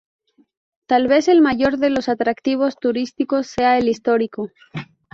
Tal vez el mayor de los atractivos turísticos sea el histórico.